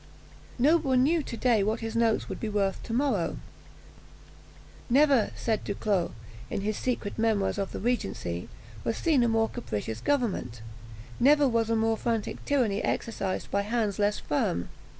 No one knew to day what his notes would be worth to morrow. "Never," says Duclos, in his Secret Memoirs of the Regency, "was seen a more capricious government never was a more frantic tyranny exercised by hands less firm.